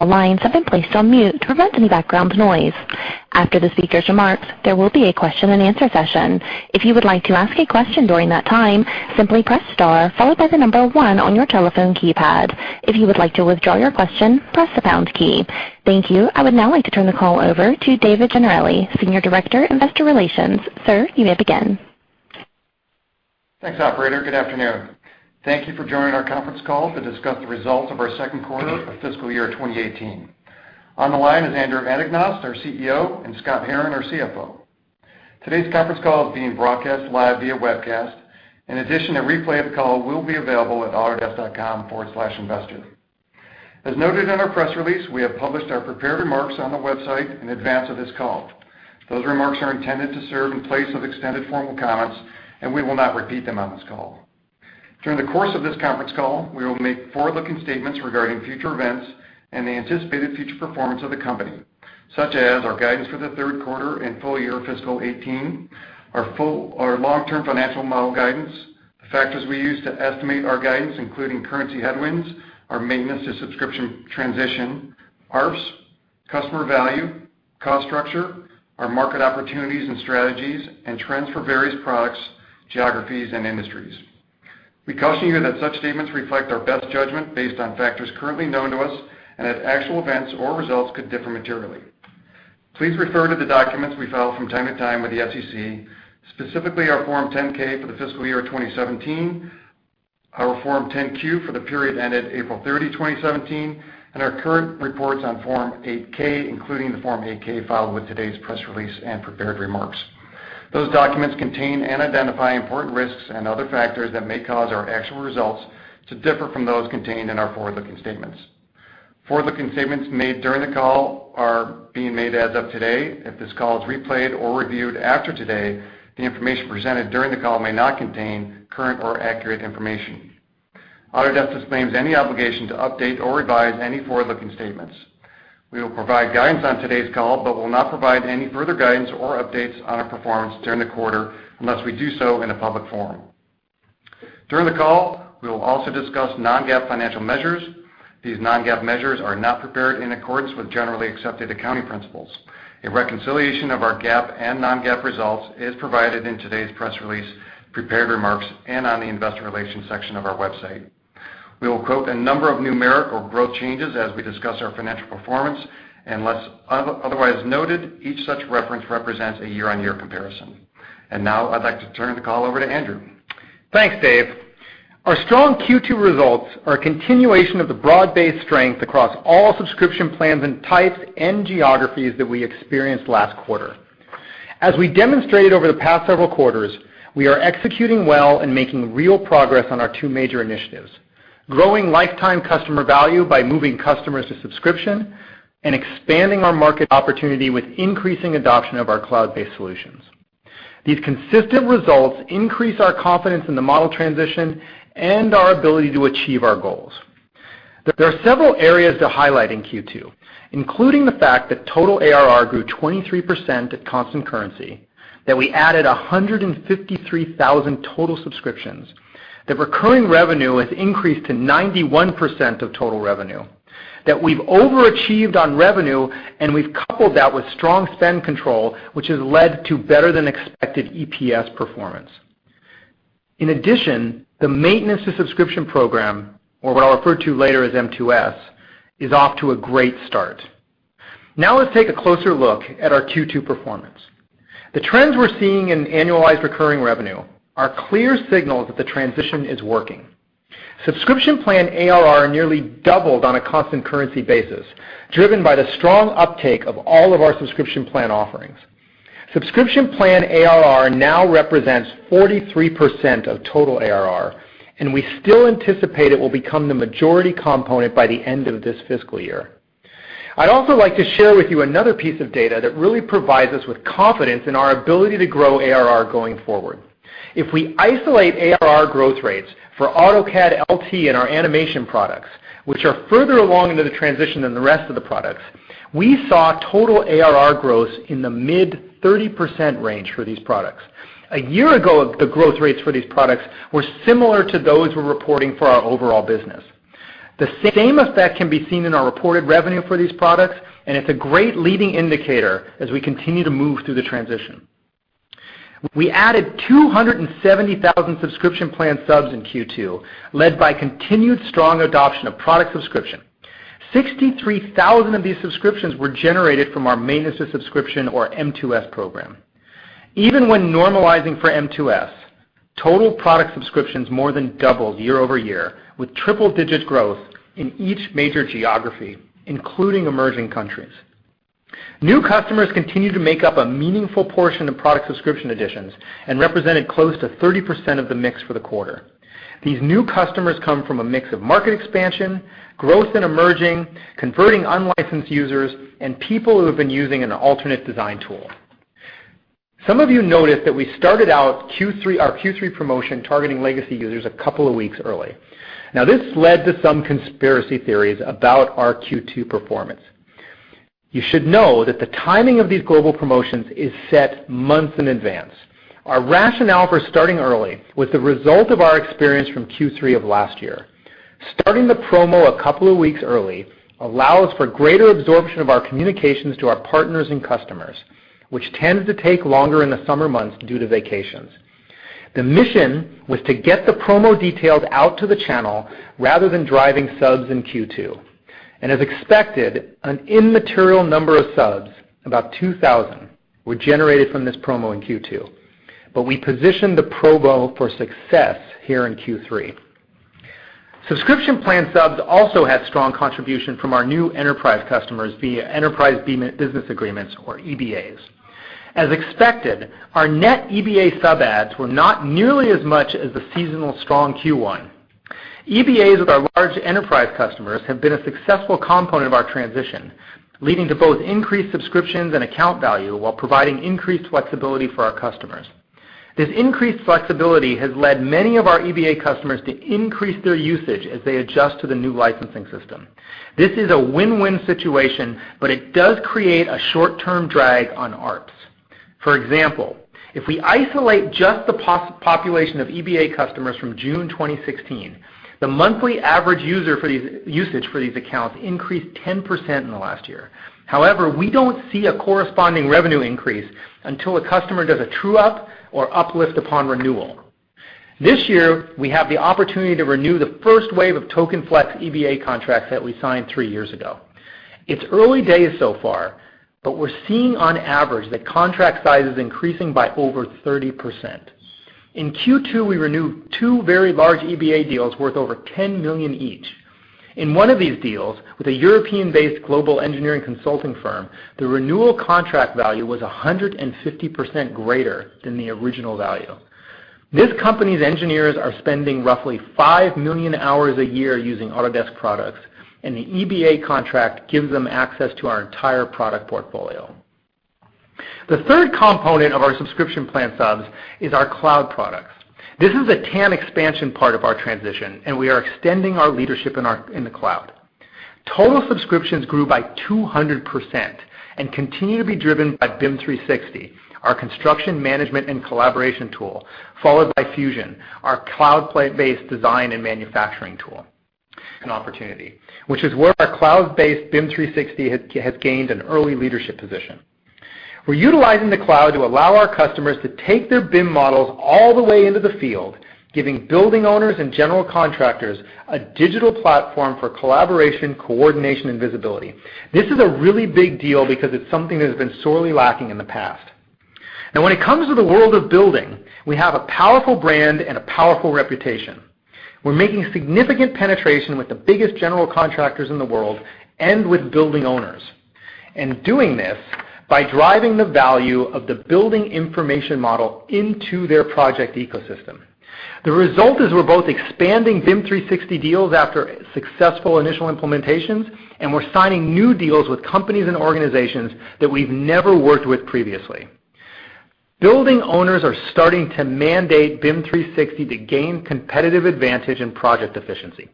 All lines have been placed on mute to prevent any background noise. After the speaker's remarks, there will be a question and answer session. If you would like to ask a question during that time, simply press star followed by the number one on your telephone keypad. If you would like to withdraw your question, press the pound key. Thank you. I would now like to turn the call over to David Gennarelli, Senior Director, Investor Relations. Sir, you may begin. Thanks, operator. Good afternoon. Thank you for joining our conference call to discuss the results of our second quarter of fiscal year 2018. On the line is Andrew Anagnost, our CEO, and Scott Herren, our CFO. Today's conference call is being broadcast live via webcast. In addition, a replay of the call will be available at autodesk.com/investor. As noted in our press release, we have published our prepared remarks on the website in advance of this call. Those remarks are intended to serve in place of extended formal comments. We will not repeat them on this call. During the course of this conference call, we will make forward-looking statements regarding future events and the anticipated future performance of the company, such as our guidance for the third quarter and full year fiscal 2018, our long-term financial model guidance, the factors we use to estimate our guidance, including currency headwinds, our maintenance to subscription transition, ARPS, customer value, cost structure, our market opportunities and strategies, and trends for various products, geographies, and industries. We caution you that such statements reflect our best judgment based on factors currently known to us and that actual events or results could differ materially. Please refer to the documents we file from time to time with the SEC, specifically our Form 10-K for the fiscal year 2017, our Form 10-Q for the period ended April 30, 2017, and our current reports on Form 8-K, including the Form 8-K filed with today's press release and prepared remarks. Those documents contain and identify important risks and other factors that may cause our actual results to differ from those contained in our forward-looking statements. Forward-looking statements made during the call are being made as of today. If this call is replayed or reviewed after today, the information presented during the call may not contain current or accurate information. Autodesk disclaims any obligation to update or revise any forward-looking statements. We will provide guidance on today's call but will not provide any further guidance or updates on our performance during the quarter unless we do so in a public forum. During the call, we will also discuss non-GAAP financial measures. These non-GAAP measures are not prepared in accordance with generally accepted accounting principles. A reconciliation of our GAAP and non-GAAP results is provided in today's press release, prepared remarks, and on the investor relations section of our website. We will quote a number of numeric or growth changes as we discuss our financial performance, unless otherwise noted, each such reference represents a year-on-year comparison. Now I'd like to turn the call over to Andrew. Thanks, Dave. Our strong Q2 results are a continuation of the broad-based strength across all subscription plans and types and geographies that we experienced last quarter. As we demonstrated over the past several quarters, we are executing well and making real progress on our two major initiatives. Growing lifetime customer value by moving customers to subscription and expanding our market opportunity with increasing adoption of our cloud-based solutions. These consistent results increase our confidence in the model transition and our ability to achieve our goals. There are several areas to highlight in Q2, including the fact that total ARR grew 23% at constant currency, that we added 153,000 total subscriptions, that recurring revenue has increased to 91% of total revenue, that we've overachieved on revenue, and we've coupled that with strong spend control, which has led to better than expected EPS performance. In addition, the maintenance to subscription program, or what I'll refer to later as M2S, is off to a great start. Now let's take a closer look at our Q2 performance. The trends we're seeing in annualized recurring revenue are clear signals that the transition is working. Subscription plan ARR nearly doubled on a constant currency basis, driven by the strong uptake of all of our subscription plan offerings. Subscription plan ARR now represents 43% of total ARR, and we still anticipate it will become the majority component by the end of this fiscal year. I'd also like to share with you another piece of data that really provides us with confidence in our ability to grow ARR going forward. If we isolate ARR growth rates for AutoCAD LT and our animation products, which are further along into the transition than the rest of the products, we saw total ARR growth in the mid-30% range for these products. A year ago, the growth rates for these products were similar to those we're reporting for our overall business. The same effect can be seen in our reported revenue for these products, and it's a great leading indicator as we continue to move through the transition. We added 270,000 subscription plan subs in Q2, led by continued strong adoption of product subscription. 63,000 of these subscriptions were generated from our maintenance to subscription or M2S program. Even when normalizing for M2S, total product subscriptions more than doubled year-over-year with triple-digit growth in each major geography, including emerging countries. New customers continue to make up a meaningful portion of product subscription additions and represented close to 30% of the mix for the quarter. These new customers come from a mix of market expansion, growth in emerging, converting unlicensed users, and people who have been using an alternate design tool. Some of you noticed that we started our Q3 promotion targeting legacy users a couple of weeks early. This led to some conspiracy theories about our Q2 performance. You should know that the timing of these global promotions is set months in advance. Our rationale for starting early was the result of our experience from Q3 of last year. Starting the promo a couple of weeks early allows for greater absorption of our communications to our partners and customers, which tends to take longer in the summer months due to vacations. The mission was to get the promo details out to the channel rather than driving subs in Q2. As expected, an immaterial number of subs, about 2,000, were generated from this promo in Q2. We positioned the promo for success here in Q3. Subscription plan subs also had strong contribution from our new enterprise customers via enterprise business agreements or EBAs. As expected, our net EBA sub adds were not nearly as much as the seasonal strong Q1. EBAs with our large enterprise customers have been a successful component of our transition, leading to both increased subscriptions and account value while providing increased flexibility for our customers. This increased flexibility has led many of our EBA customers to increase their usage as they adjust to the new licensing system. This is a win-win situation, but it does create a short-term drag on ARPS. For example, if we isolate just the population of EBA customers from June 2016, the monthly average usage for these accounts increased 10% in the last year. However, we don't see a corresponding revenue increase until a customer does a true-up or uplift upon renewal. This year, we have the opportunity to renew the first wave of Token Flex EBA contracts that we signed three years ago. It's early days so far, but we're seeing on average that contract size is increasing by over 30%. In Q2, we renewed two very large EBA deals worth over $10 million each. In one of these deals with a European-based global engineering consulting firm, the renewal contract value was 150% greater than the original value. This company's engineers are spending roughly five million hours a year using Autodesk products, and the EBA contract gives them access to our entire product portfolio. The third component of our subscription plan subs is our cloud products. This is a TAM expansion part of our transition, and we are extending our leadership in the cloud. Total subscriptions grew by 200% and continue to be driven by BIM 360, our construction management and collaboration tool, followed by Fusion, our cloud-based design and manufacturing tool. An opportunity, which is where our cloud-based BIM 360 has gained an early leadership position. We're utilizing the cloud to allow our customers to take their BIM models all the way into the field, giving building owners and general contractors a digital platform for collaboration, coordination, and visibility. This is a really big deal because it's something that has been sorely lacking in the past. When it comes to the world of building, we have a powerful brand and a powerful reputation. We're making significant penetration with the biggest general contractors in the world and with building owners, doing this by driving the value of the building information model into their project ecosystem. The result is we're both expanding BIM 360 deals after successful initial implementations, we're signing new deals with companies and organizations that we've never worked with previously. Building owners are starting to mandate BIM 360 to gain competitive advantage and project efficiency.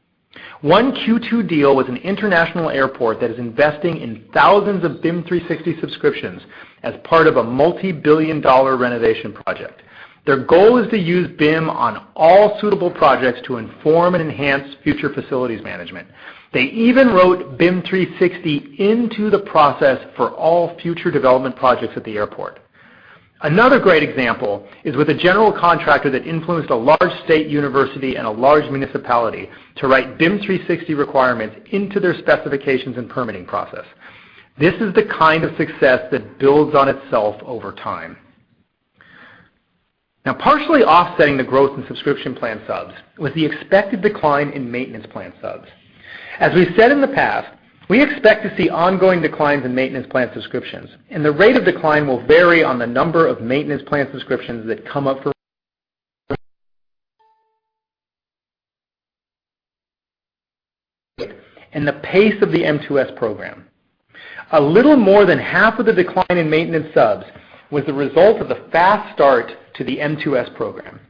One Q2 deal with an international airport that is investing in thousands of BIM 360 subscriptions as part of a multi-billion-dollar renovation project. Their goal is to use BIM on all suitable projects to inform and enhance future facilities management. They even wrote BIM 360 into the process for all future development projects at the airport. Another great example is with a general contractor that influenced a large state university and a large municipality to write BIM 360 requirements into their specifications and permitting process. This is the kind of success that builds on itself over time. Partially offsetting the growth in subscription plan subs was the expected decline in maintenance plan subs. As we've said in the past, we expect to see ongoing declines in maintenance plan subscriptions, and the rate of decline will vary on the number of maintenance plan subscriptions that come up for and the pace of the M2S program. A little more than half of the decline in maintenance subs was the result of the fast start to the M2S program.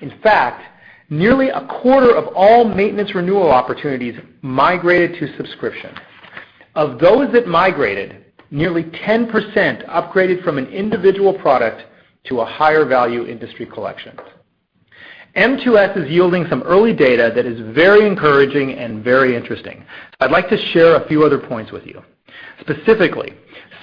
In fact, nearly a quarter of all maintenance renewal opportunities migrated to subscription. Of those that migrated, nearly 10% upgraded from an individual product to a higher-value Industry Collection. M2S is yielding some early data that is very encouraging and very interesting. I'd like to share a few other points with you. Specifically,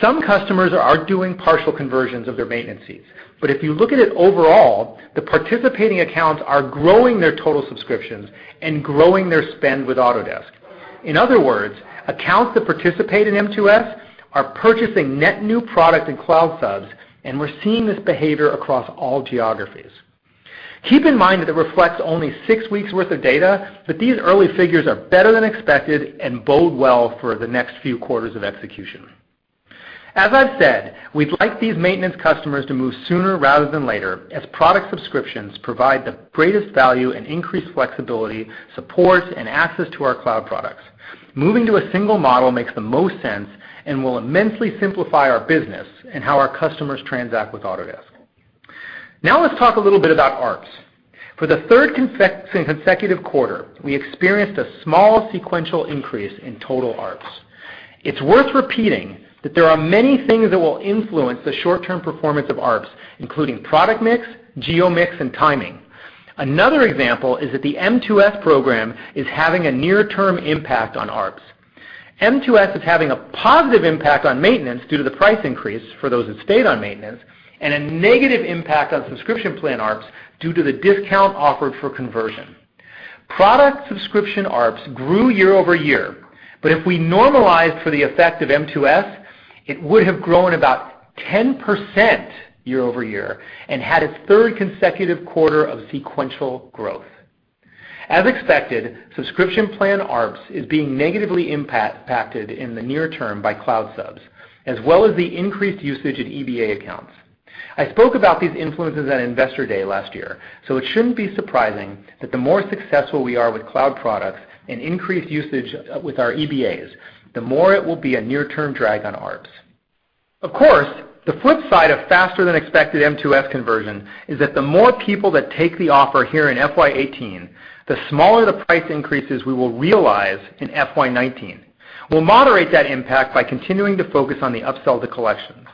some customers are doing partial conversions of their maintenance fees. If you look at it overall, the participating accounts are growing their total subscriptions and growing their spend with Autodesk. In other words, accounts that participate in M2S are purchasing net new product and cloud subs, we're seeing this behavior across all geographies. Keep in mind that it reflects only six weeks' worth of data, but these early figures are better than expected and bode well for the next few quarters of execution. As I've said, we'd like these maintenance customers to move sooner rather than later, as product subscriptions provide the greatest value and increased flexibility, support, and access to our cloud products. Moving to a single model makes the most sense and will immensely simplify our business and how our customers transact with Autodesk. Let's talk a little bit about ARPS. For the third consecutive quarter, we experienced a small sequential increase in total ARPS. It's worth repeating that there are many things that will influence the short-term performance of ARPS, including product mix, geo mix, and timing. Another example is that the M2S Program is having a near-term impact on ARPS. M2S is having a positive impact on maintenance due to the price increase for those that stayed on maintenance, and a negative impact on subscription plan ARPS due to the discount offered for conversion. Product subscription ARPS grew year-over-year, but if we normalized for the effect of M2S, it would have grown about 10% year-over-year and had its third consecutive quarter of sequential growth. As expected, subscription plan ARPS is being negatively impacted in the near term by cloud subs, as well as the increased usage of EBA accounts. I spoke about these influences at Investor Day last year, so it shouldn't be surprising that the more successful we are with cloud products and increased usage with our EBAs, the more it will be a near-term drag on ARPS. Of course, the flip side of faster than expected M2S conversion is that the more people that take the offer here in FY 2018, the smaller the price increases we will realize in FY 2019. We'll moderate that impact by continuing to focus on the upsell to Collections.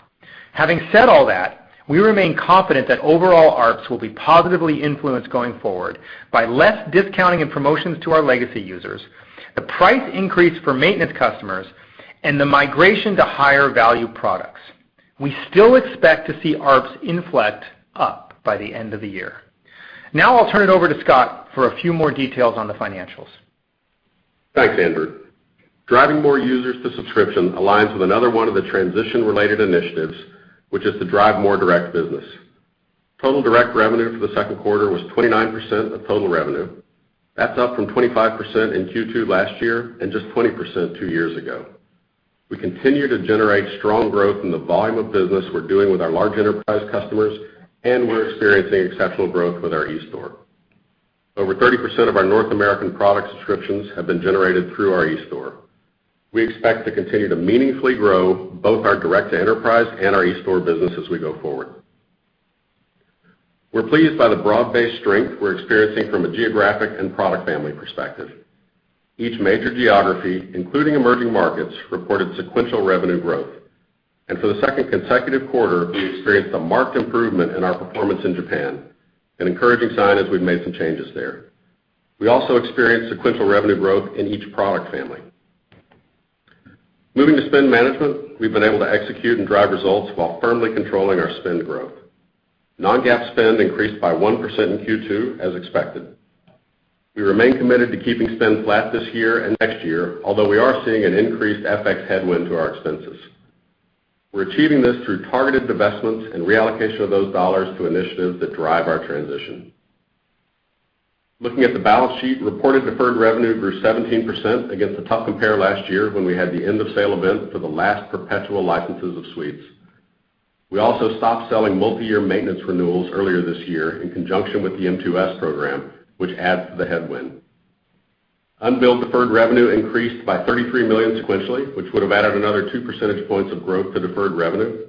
Having said all that, we remain confident that overall ARPS will be positively influenced going forward by less discounting and promotions to our legacy users, the price increase for maintenance customers, and the migration to higher value products. We still expect to see ARPS inflect up by the end of the year. I'll turn it over to Scott for a few more details on the financials. Thanks, Andrew. Driving more users to subscription aligns with another one of the transition-related initiatives, which is to drive more direct business. Total direct revenue for the second quarter was 29% of total revenue. That's up from 25% in Q2 last year and just 20% two years ago. We continue to generate strong growth in the volume of business we're doing with our large enterprise customers, and we're experiencing exceptional growth with our Autodesk Store. Over 30% of our North American product subscriptions have been generated through our Autodesk Store. We expect to continue to meaningfully grow both our direct enterprise and our Autodesk Store business as we go forward. We're pleased by the broad-based strength we're experiencing from a geographic and product family perspective. Each major geography, including emerging markets, reported sequential revenue growth. For the second consecutive quarter, we experienced a marked improvement in our performance in Japan, an encouraging sign as we've made some changes there. We also experienced sequential revenue growth in each product family. Moving to spend management, we've been able to execute and drive results while firmly controlling our spend growth. Non-GAAP spend increased by 1% in Q2 as expected. We remain committed to keeping spend flat this year and next year, although we are seeing an increased FX headwind to our expenses. We're achieving this through targeted divestments and reallocation of those dollars to initiatives that drive our transition. Looking at the balance sheet, reported deferred revenue grew 17% against a tough compare last year when we had the end-of-sale event for the last perpetual licenses of Suites. We also stopped selling multi-year maintenance renewals earlier this year in conjunction with the M2S program, which adds to the headwind. Unbilled deferred revenue increased by $33 million sequentially, which would have added another two percentage points of growth to deferred revenue.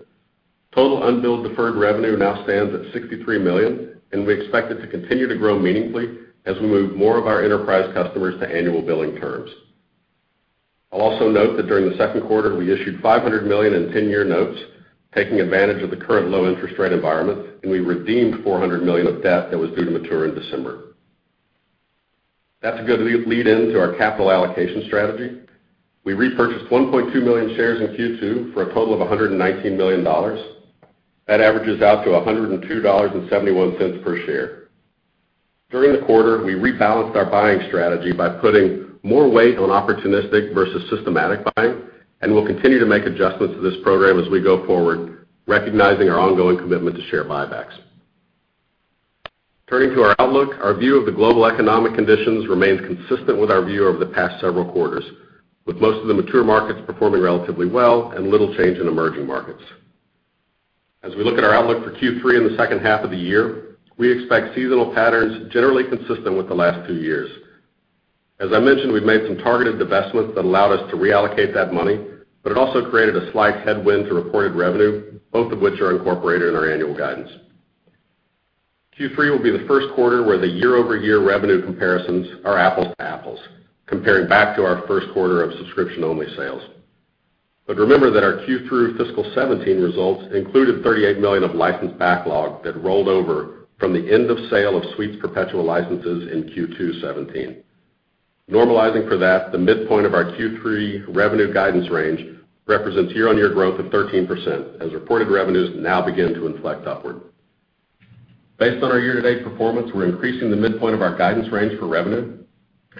Total unbilled deferred revenue now stands at $63 million, and we expect it to continue to grow meaningfully as we move more of our enterprise customers to annual billing terms. I'll also note that during the second quarter, we issued $500 million in 10-year notes, taking advantage of the current low interest rate environment, and we redeemed $400 million of debt that was due to mature in December. That's a good lead-in to our capital allocation strategy. We repurchased 1.2 million shares in Q2 for a total of $119 million. That averages out to $102.71 per share. During the quarter, we rebalanced our buying strategy by putting more weight on opportunistic versus systematic buying. We'll continue to make adjustments to this program as we go forward, recognizing our ongoing commitment to share buybacks. Turning to our outlook, our view of the global economic conditions remains consistent with our view over the past several quarters, with most of the mature markets performing relatively well and little change in emerging markets. As we look at our outlook for Q3 and the second half of the year, we expect seasonal patterns generally consistent with the last two years. As I mentioned, we've made some targeted divestments that allowed us to reallocate that money. It also created a slight headwind to reported revenue, both of which are incorporated in our annual guidance. Q3 will be the first quarter where the year-over-year revenue comparisons are apples to apples, comparing back to our first quarter of subscription-only sales. Remember that our Q3 FY 2017 results included $38 million of license backlog that rolled over from the end of sale of Suites perpetual licenses in Q2 2017. Normalizing for that, the midpoint of our Q3 revenue guidance range represents year-on-year growth of 13% as reported revenues now begin to inflect upward. Based on our year-to-date performance, we're increasing the midpoint of our guidance range for revenue.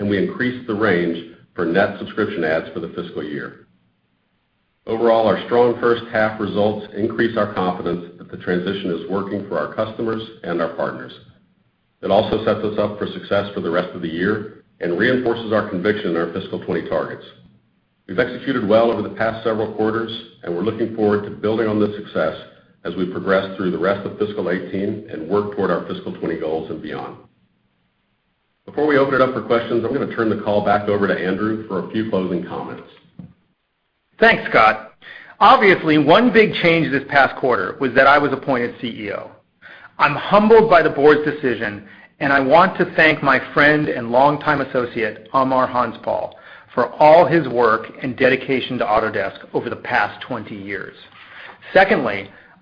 We increased the range for net subscription adds for the fiscal year. Overall, our strong first half results increase our confidence that the transition is working for our customers and our partners. It also sets us up for success for the rest of the year and reinforces our conviction in our FY 2020 targets. We've executed well over the past several quarters. We're looking forward to building on this success as we progress through the rest of FY 2018 and work toward our FY 2020 goals and beyond. Before we open it up for questions, I'm going to turn the call back over to Andrew for a few closing comments. Thanks, Scott. Obviously, one big change this past quarter was that I was appointed CEO. I'm humbled by the board's decision, and I want to thank my friend and longtime associate, Amar Hanspal, for all his work and dedication to Autodesk over the past 20 years.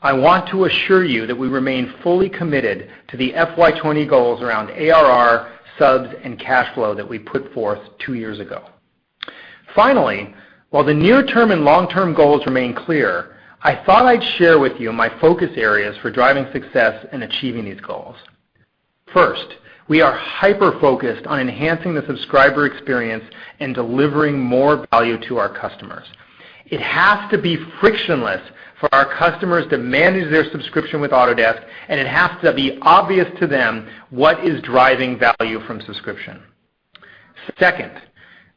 I want to assure you that we remain fully committed to the FY 2020 goals around ARR, subs, and cash flow that we put forth two years ago. While the near-term and long-term goals remain clear, I thought I'd share with you my focus areas for driving success in achieving these goals. We are hyper-focused on enhancing the subscriber experience and delivering more value to our customers. It has to be frictionless for our customers to manage their subscription with Autodesk, and it has to be obvious to them what is driving value from subscription.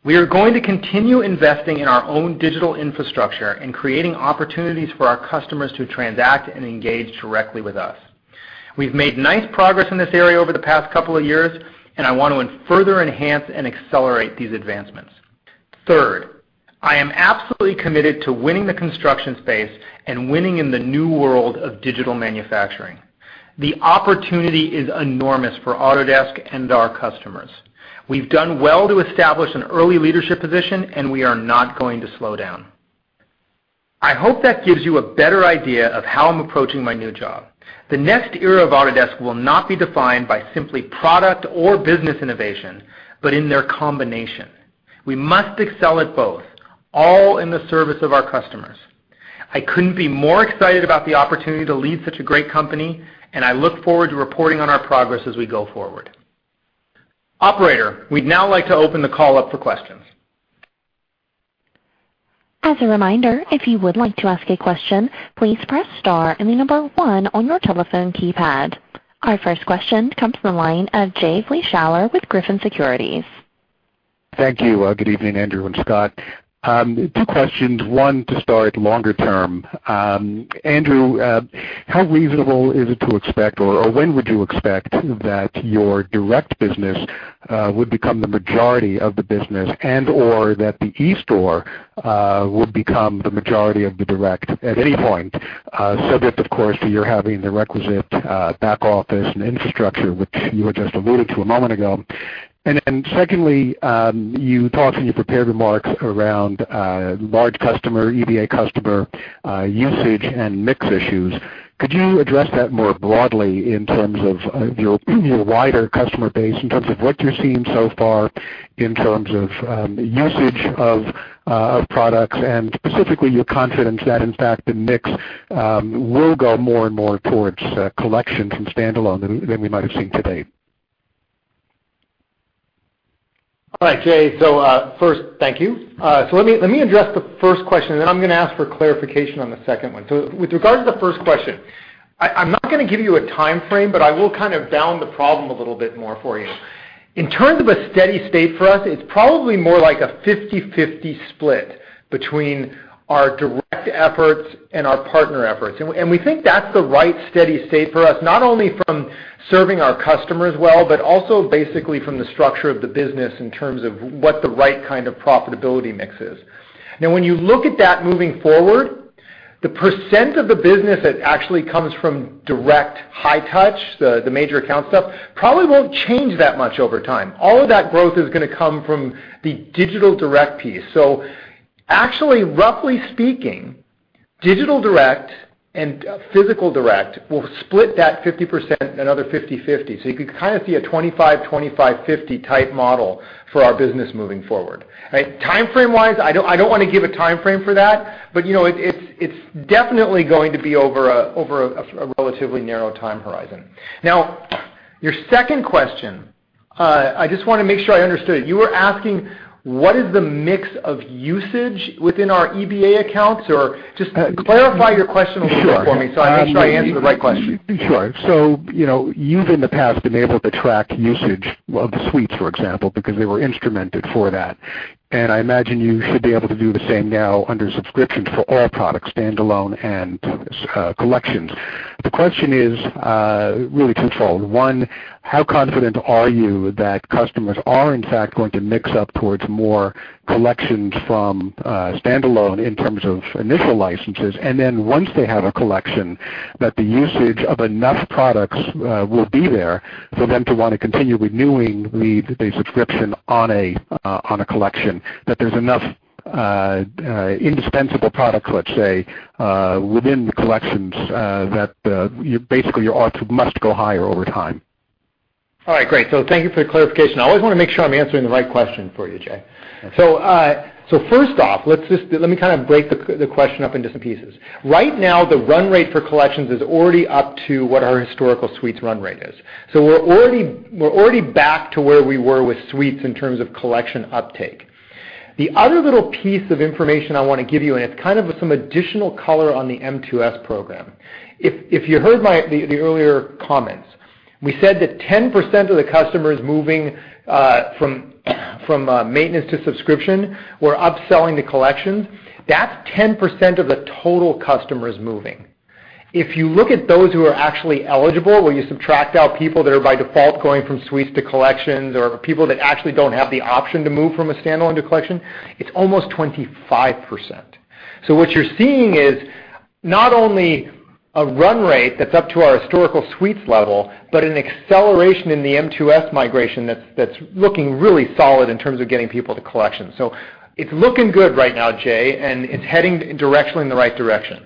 We are going to continue investing in our own digital infrastructure and creating opportunities for our customers to transact and engage directly with us. We've made nice progress in this area over the past couple of years, and I want to further enhance and accelerate these advancements. I am absolutely committed to winning the construction space and winning in the new world of digital manufacturing. The opportunity is enormous for Autodesk and our customers. We've done well to establish an early leadership position, and we are not going to slow down. I hope that gives you a better idea of how I'm approaching my new job. The next era of Autodesk will not be defined by simply product or business innovation, but in their combination. We must excel at both, all in the service of our customers. I couldn't be more excited about the opportunity to lead such a great company, and I look forward to reporting on our progress as we go forward. Operator, we'd now like to open the call up for questions. As a reminder, if you would like to ask a question, please press star and the number one on your telephone keypad. Our first question comes from the line of Jay Vleeschhouwer with Griffin Securities. Thank you. Good evening, Andrew and Scott. Two questions, one to start longer term. Andrew, how reasonable is it to expect, or when would you expect that your direct business would become the majority of the business and/or that the eStore will become the majority of the direct at any point, subject, of course, to your having the requisite back office and infrastructure, which you had just alluded to a moment ago. Secondly, you talked in your prepared remarks around large customer, EBA customer usage and mix issues. Could you address that more broadly in terms of your wider customer base, in terms of what you're seeing so far in terms of usage of products and specifically your confidence that, in fact, the mix will go more and more towards collections and standalone than we might have seen to date? All right, Jay. First, thank you. Let me address the first question, and then I'm going to ask for clarification on the second one. With regard to the first question, I'm not going to give you a timeframe, but I will kind of bound the problem a little bit more for you. In terms of a steady state for us, it's probably more like a 50/50 split between our direct efforts and our partner efforts. We think that's the right steady state for us, not only from serving our customers well, but also basically from the structure of the business in terms of what the right kind of profitability mix is. When you look at that moving forward, the percent of the business that actually comes from direct high touch, the major account stuff, probably won't change that much over time. All of that growth is going to come from the digital direct piece. Actually, roughly speaking, digital direct and physical direct will split that 50% another 50/50. You could kind of see a 25/25/50 type model for our business moving forward. Right? Timeframe-wise, I don't want to give a timeframe for that, but it's definitely going to be over a relatively narrow time horizon. Your second question, I just want to make sure I understood. You were asking what is the mix of usage within our EBA accounts, or just clarify your question a little bit for me so I make sure I answer the right question. Sure. You've in the past been able to track usage of suites, for example, because they were instrumented for that. I imagine you should be able to do the same now under subscriptions for all products, standalone and collections. The question is really twofold. One, how confident are you that customers are, in fact, going to mix up towards more collections from standalone in terms of initial licenses? Then once they have a collection, that the usage of enough products will be there for them to want to continue renewing the subscription on a collection, that there's enough indispensable product, let's say, within the collections that basically your ARPS must go higher over time. All right, great. Thank you for the clarification. I always want to make sure I'm answering the right question for you, Jay. Okay. First off, let me kind of break the question up into some pieces. Right now, the run rate for Collections is already up to what our historical Suites run rate is. We're already back to where we were with Suites in terms of Collection uptake. The other little piece of information I want to give you, and it's kind of some additional color on the M2S program. If you heard the earlier comments, we said that 10% of the customers moving from maintenance to subscription were upselling to Collections. That's 10% of the total customers moving. If you look at those who are actually eligible, where you subtract out people that are by default going from Suites to Collections, or people that actually don't have the option to move from a standalone to Collection, it's almost 25%. What you're seeing is not only a run rate that's up to our historical Suites level, but an acceleration in the M2S migration that's looking really solid in terms of getting people to Collection. It's looking good right now, Jay, and it's heading directly in the right direction.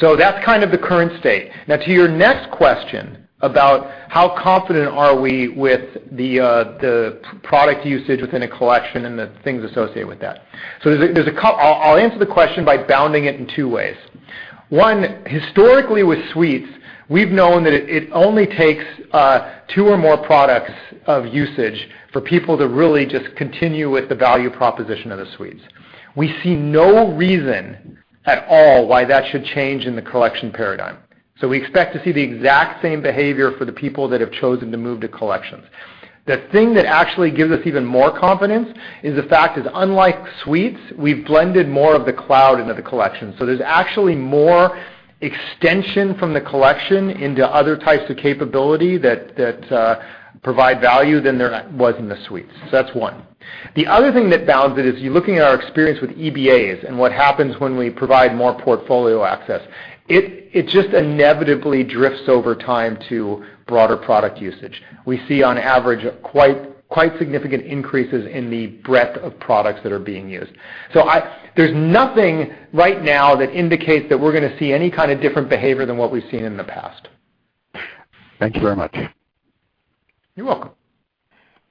That's kind of the current state. Now to your next question about how confident are we with the product usage within a Collection and the things associated with that. I'll answer the question by bounding it in two ways. One, historically with Suites, we've known that it only takes two or more products of usage for people to really just continue with the value proposition of the Suites. We see no reason at all why that should change in the Collection paradigm. We expect to see the exact same behavior for the people that have chosen to move to Collections. The thing that actually gives us even more confidence is the fact that unlike Suites, we've blended more of the cloud into the Collection. There's actually more extension from the Collection into other types of capability that provide value than there was in the Suites. That's one. The other thing that bounds it is you're looking at our experience with EBAs and what happens when we provide more portfolio access. It just inevitably drifts over time to broader product usage. We see on average quite significant increases in the breadth of products that are being used. There's nothing right now that indicates that we're going to see any kind of different behavior than what we've seen in the past. Thank you very much. You're welcome.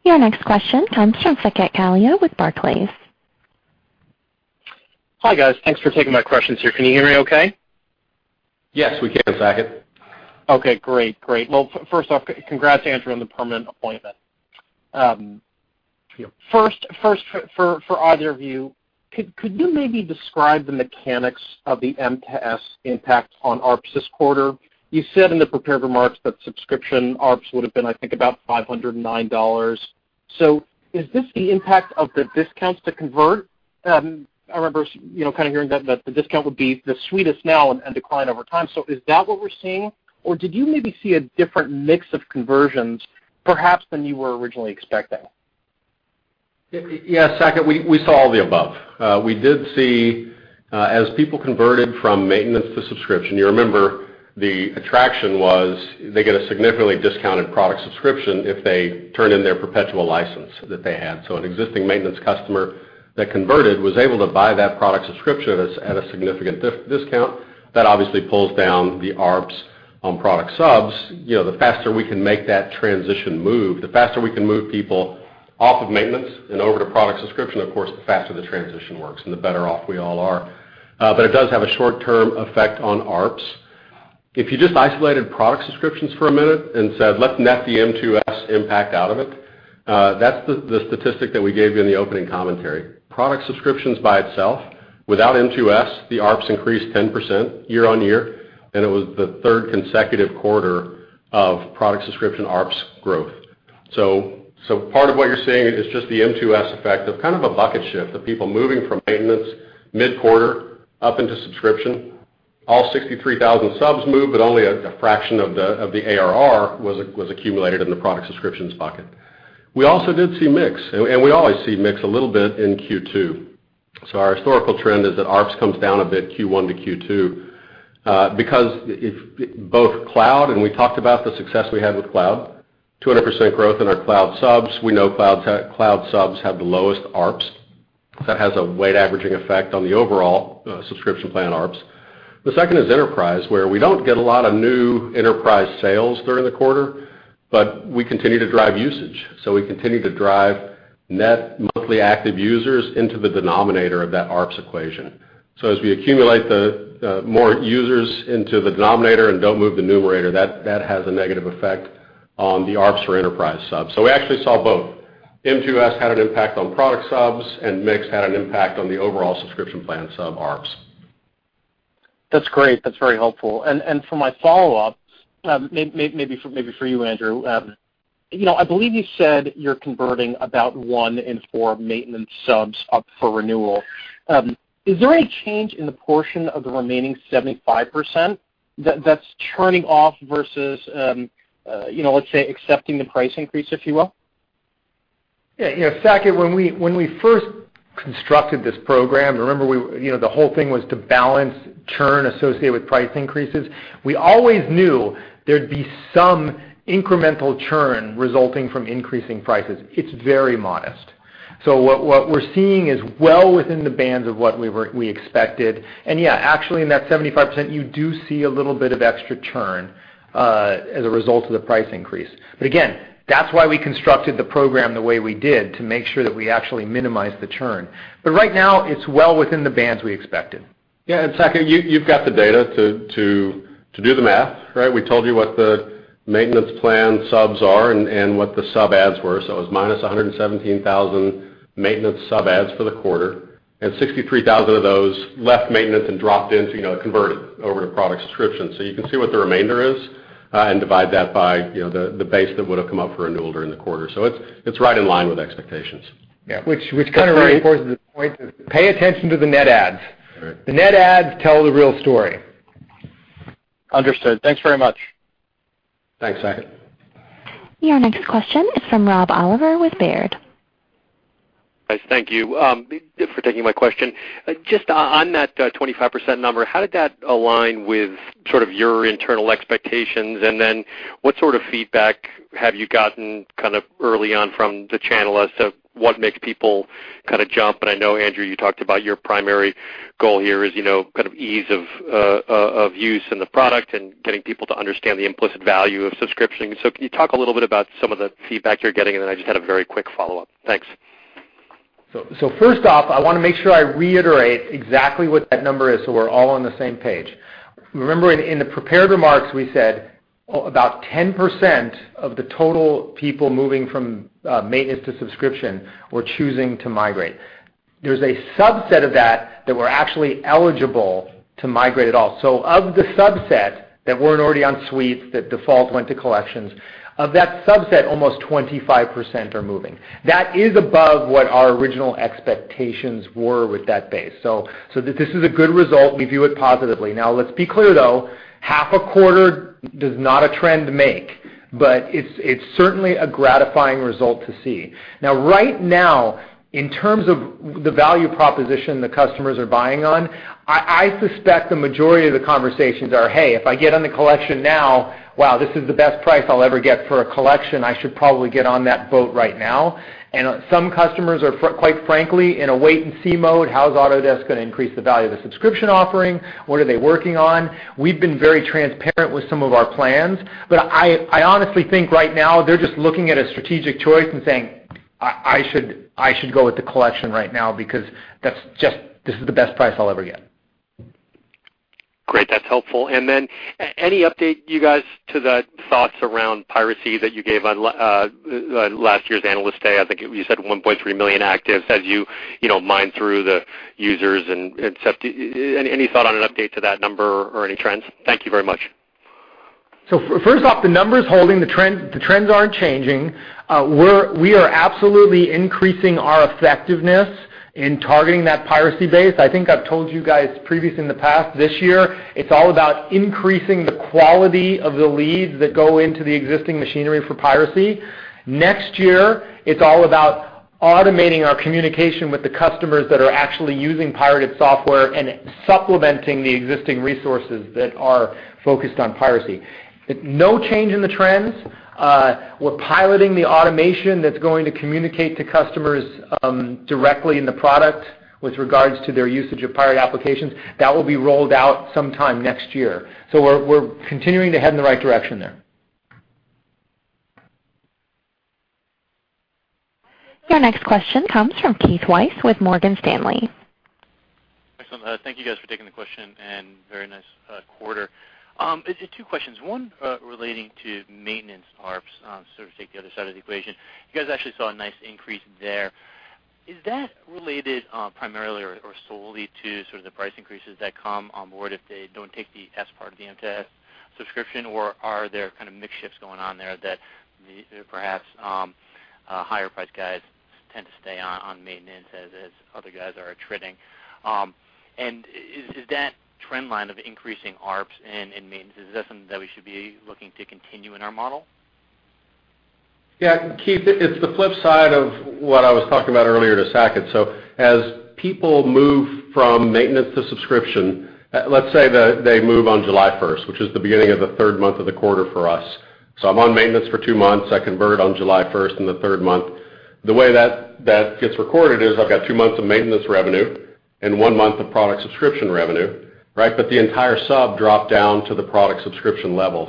Your next question comes from Saket Kalia with Barclays. Hi, guys. Thanks for taking my questions here. Can you hear me okay? Yes, we can, Saket. Okay, great. Well, first off, congrats, Andrew, on the permanent appointment. Thank you. First, for either of you, could you maybe describe the mechanics of the M2S impact on ARPS this quarter? You said in the prepared remarks that subscription ARPS would have been, I think, about $509. Is this the impact of the discounts to convert? I remember kind of hearing that the discount would be the sweetest now and decline over time. Is that what we're seeing? Or did you maybe see a different mix of conversions perhaps than you were originally expecting? Saket, We saw all the above. We did see as people converted from maintenance to subscription, you remember the attraction was they get a significantly discounted product subscription if they turn in their perpetual license that they had. An existing maintenance customer that converted was able to buy that product subscription at a significant discount. That obviously pulls down the ARPS on product subs. The faster we can make that transition move, the faster we can move people off of maintenance and over to product subscription, of course, the faster the transition works and the better off we all are. It does have a short-term effect on ARPS. If you just isolated product subscriptions for a minute and said, "Let's net the M2S impact out of it," that's the statistic that we gave you in the opening commentary. Product subscriptions by itself, without M2S, the ARPS increased 10% year-over-year, and it was the third consecutive quarter of product subscription ARPS growth. Part of what you're seeing is just the M2S effect of kind of a bucket shift of people moving from maintenance mid-quarter up into subscription. All 63,000 subs moved, but only a fraction of the ARR was accumulated in the product subscriptions bucket. We also did see mix, and we always see mix a little bit in Q2. Our historical trend is that ARPS comes down a bit Q1 to Q2 because both cloud, and we talked about the success we had with cloud, 200% growth in our cloud subs. We know cloud subs have the lowest ARPS. That has a weight averaging effect on the overall subscription plan ARPS. The second is enterprise, where we don't get a lot of new enterprise sales during the quarter, but we continue to drive usage. We continue to drive net monthly active users into the denominator of that ARPS equation. As we accumulate more users into the denominator and don't move the numerator, that has a negative effect on the ARPS for enterprise subs. We actually saw both. M2S had an impact on product subs, and mix had an impact on the overall subscription plan sub ARPS. That's great. That's very helpful. For my follow-up, maybe for you, Andrew, I believe you said you're converting about one in four maintenance subs up for renewal. Is there any change in the portion of the remaining 75% that's churning off versus, let's say, accepting the price increase, if you will? Yeah, Saket, when we first constructed this program, remember, the whole thing was to balance churn associated with price increases. We always knew there'd be some incremental churn resulting from increasing prices. It's very modest. What we're seeing is well within the bands of what we expected. Yeah, actually in that 75%, you do see a little bit of extra churn as a result of the price increase. Again, that's why we constructed the program the way we did to make sure that we actually minimize the churn. Right now, it's well within the bands we expected. Yeah, Saket, you've got the data to do the math, right? We told you what the maintenance plan subs are and what the sub adds were. It was -117,000 maintenance sub adds for the quarter, and 63,000 of those left maintenance and dropped into converted over to product subscription. You can see what the remainder is. Divide that by the base that would've come up for renewal during the quarter. It's right in line with expectations. Yeah. Which kind of reinforces the point that, pay attention to the net adds. Right. The net adds tell the real story. Understood. Thanks very much. Thanks, Saket. Your next question is from Rob Oliver with Baird. Thank you for taking my question. Just on that 25% number, how did that align with sort of your internal expectations, and then what sort of feedback have you gotten early on from the channel as to what makes people kind of jump? I know, Andrew, you talked about your primary goal here is kind of ease of use in the product and getting people to understand the implicit value of subscription. Can you talk a little bit about some of the feedback you're getting? I just had a very quick follow-up. Thanks. First off, I want to make sure I reiterate exactly what that number is so we're all on the same page. Remember, in the prepared remarks, we said about 10% of the total people moving from maintenance to subscription were choosing to migrate. There's a subset of that were actually eligible to migrate at all. Of the subset that weren't already on suites, that default went to collections. Of that subset, almost 25% are moving. That is above what our original expectations were with that base. This is a good result, we view it positively. Let's be clear, though. Half a quarter does not a trend make, but it's certainly a gratifying result to see. Right now, in terms of the value proposition the customers are buying on, I suspect the majority of the conversations are, "Hey, if I get on the collection now, wow, this is the best price I'll ever get for a collection. I should probably get on that boat right now." Some customers are, quite frankly, in a wait-and-see mode. How is Autodesk going to increase the value of the subscription offering? What are they working on? We've been very transparent with some of our plans, but I honestly think right now they're just looking at a strategic choice and saying, "I should go with the collection right now because this is the best price I'll ever get. Great. That's helpful. Any update, you guys, to the thoughts around piracy that you gave on last year's Analyst Day? I think you said 1.3 million actives as you mine through the users and et cetera. Any thought on an update to that number or any trends? Thank you very much. First off, the number's holding. The trends aren't changing. We are absolutely increasing our effectiveness in targeting that piracy base. I think I've told you guys previously in the past, this year it's all about increasing the quality of the leads that go into the existing machinery for piracy. Next year, it's all about automating our communication with the customers that are actually using pirated software and supplementing the existing resources that are focused on piracy. No change in the trends. We're piloting the automation that's going to communicate to customers directly in the product with regards to their usage of pirated applications. That will be rolled out sometime next year. We're continuing to head in the right direction there. Your next question comes from Keith Weiss with Morgan Stanley. Excellent. Thank you guys for taking the question, and very nice quarter. Two questions, one relating to maintenance ARPS, sort of take the other side of the equation. You guys actually saw a nice increase there. Is that related primarily or solely to sort of the price increases that come on board if they don't take the S part of the M2S subscription, or are there kind of mix shifts going on there that perhaps higher-priced guys tend to stay on maintenance as other guys are attriting? Is that trend line of increasing ARPS in maintenance, is that something that we should be looking to continue in our model? Yeah, Keith, it's the flip side of what I was talking about earlier to Saket. As people move from maintenance to subscription, let's say that they move on July 1st, which is the beginning of the third month of the quarter for us. I'm on maintenance for two months. I convert on July 1st in the third month. The way that gets recorded is I've got two months of maintenance revenue and one month of product subscription revenue, right? The entire sub dropped down to the product subscription level.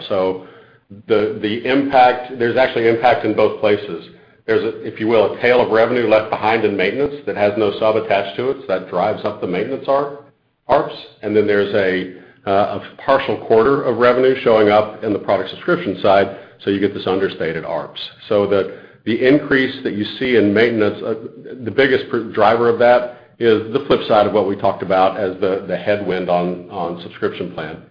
There's actually impact in both places. There's a, if you will, a tail of revenue left behind in maintenance that has no sub attached to it, so that drives up the maintenance ARPS. Then there's a partial quarter of revenue showing up in the product subscription side, so you get this understated ARPS. The increase that you see in maintenance, the biggest driver of that is the flip side of what we talked about as the headwind on subscription plan.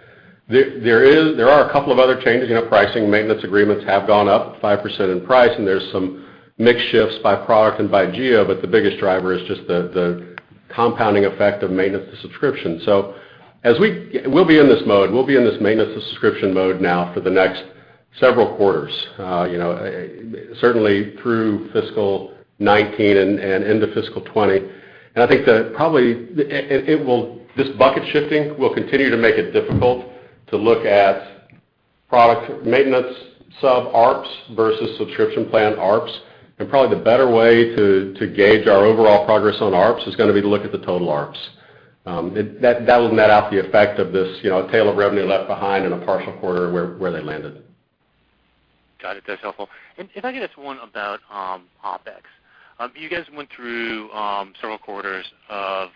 There are a couple of other changes. Pricing maintenance agreements have gone up 5% in price, and there's some mix shifts by product and by geo, but the biggest driver is just the compounding effect of maintenance to subscription. We'll be in this mode. We'll be in this maintenance to subscription mode now for the next several quarters. Certainly through fiscal 2019 and into fiscal 2020. I think that probably this bucket shifting will continue to make it difficult to look at product maintenance sub ARPS versus subscription plan ARPS. Probably the better way to gauge our overall progress on ARPS is going to be to look at the total ARPS. That will net out the effect of this tail of revenue left behind in a partial quarter where they landed. Got it. That's helpful. If I could ask one about OpEx. You guys went through several quarters of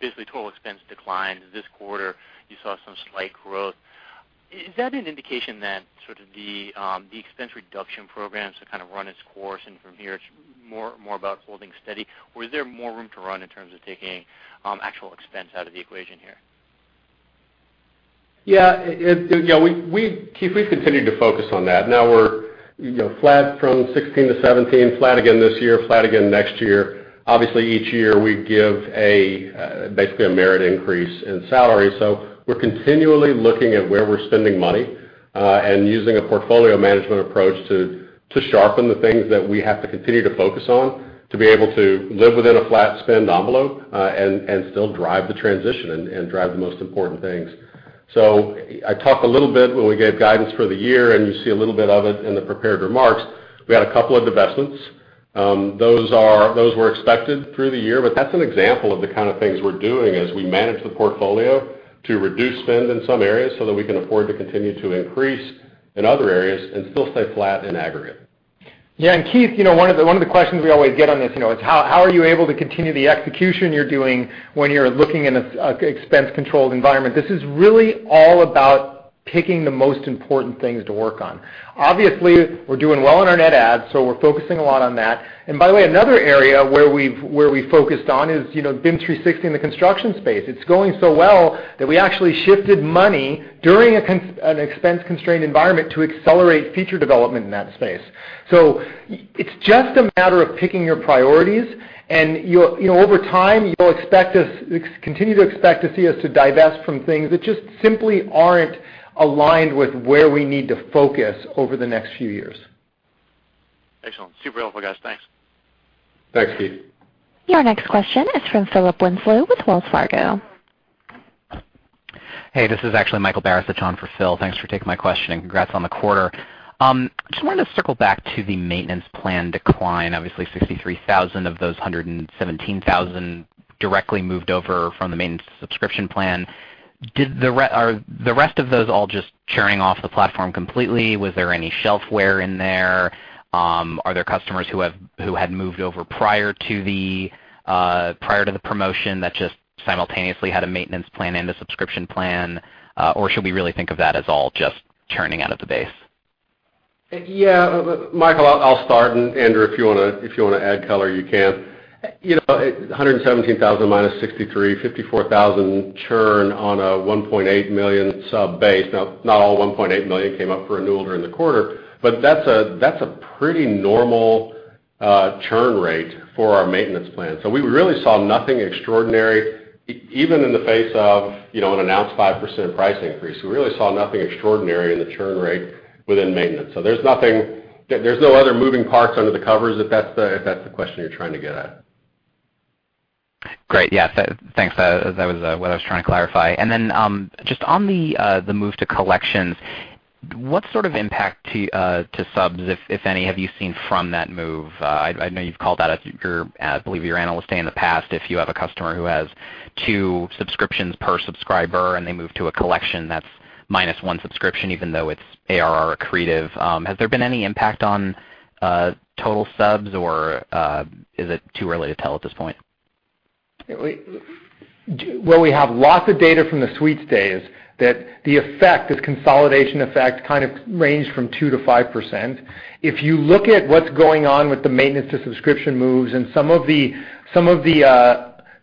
basically total expense declines. This quarter, you saw some slight growth. Is that an indication that sort of the expense reduction programs have kind of run its course, and from here it's more about holding steady, or is there more room to run in terms of taking actual expense out of the equation here? Yeah. Keith, we've continued to focus on that. We're flat from 2016 to 2017, flat again this year, flat again next year. Obviously, each year, we give basically a merit increase in salary. We're continually looking at where we're spending money, and using a portfolio management approach to sharpen the things that we have to continue to focus on to be able to live within a flat spend envelope, and still drive the transition, and drive the most important things. I talked a little bit when we gave guidance for the year, and you see a little bit of it in the prepared remarks. We had a couple of divestments. Those were expected through the year, that's an example of the kind of things we're doing as we manage the portfolio to reduce spend in some areas so that we can afford to continue to increase in other areas and still stay flat in aggregate. Yeah. Keith, one of the questions we always get on this, is how are you able to continue the execution you're doing when you're looking in an expense-controlled environment? This is really all about picking the most important things to work on. Obviously, we're doing well on our net adds, so we're focusing a lot on that. By the way, another area where we've focused on is BIM 360 in the construction space. It's going so well that we actually shifted money during an expense-constrained environment to accelerate future development in that space. It's just a matter of picking your priorities and over time, you'll continue to expect to see us to divest from things that just simply aren't aligned with where we need to focus over the next few years. Excellent. Super helpful, guys. Thanks. Thanks, Keith. Your next question is from Michael Barraza with Wells Fargo. Hey, this is actually Michael Barraza on for Phil. Thanks for taking my question. Congrats on the quarter. Just wanted to circle back to the Maintenance Plan decline. Obviously, 63,000 of those 117,000 directly moved over from the Maintenance Subscription Plan. Are the rest of those all just churning off the platform completely? Was there any shelf wear in there? Are there customers who had moved over prior to the promotion that just simultaneously had a Maintenance Plan and a subscription plan? Should we really think of that as all just churning out of the base? Yeah. Michael, I'll start. Andrew, if you want to add color, you can. 117,000 minus 63, 54,000 churn on a 1.8 million sub base. Not all 1.8 million came up for renewal during the quarter, but that's a pretty normal churn rate for our Maintenance Plan. We really saw nothing extraordinary, even in the face of an announced 5% price increase. We really saw nothing extraordinary in the churn rate within maintenance. There's no other moving parts under the covers if that's the question you're trying to get at. Great. Yeah. Thanks. That was what I was trying to clarify. Just on the move to Collections, what sort of impact to subs, if any, have you seen from that move? I know you've called that, I believe your analyst day in the past, if you have a customer who has two subscriptions per subscriber and they move to a Collection, that's minus one subscription, even though it's ARR accretive. Has there been any impact on total subs, or is it too early to tell at this point? Where we have lots of data from the Suites days that the effect, this consolidation effect kind of ranged from 2%-5%. If you look at what's going on with the Maintenance to Subscription moves and some of the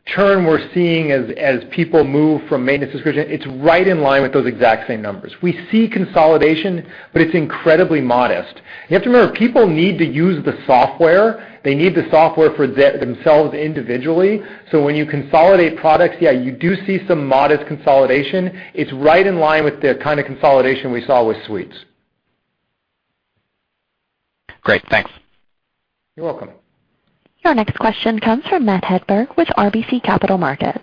churn we're seeing as people move from Maintenance Subscription, it's right in line with those exact same numbers. We see consolidation, but it's incredibly modest. You have to remember, people need to use the software. They need the software for themselves individually. When you consolidate products, yeah, you do see some modest consolidation. It's right in line with the kind of consolidation we saw with Suites. Great. Thanks. You're welcome. Your next question comes from Matthew Hedberg with RBC Capital Markets.